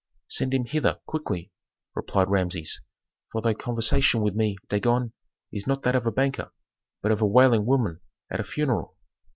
"Send him hither quickly," replied Rameses, "for thy conversation with me, Dagon, is not that of a banker, but of a wailing woman at a funeral."